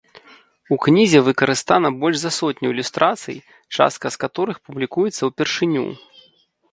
У кнізе выкарыстана больш за сотню ілюстрацый, частка з каторых публікуецца ўпершыню.